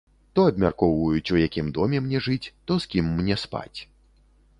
То абмяркоўваюць, у якім доме мне жыць, то з кім мне спаць.